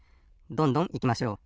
どんどんいきましょう。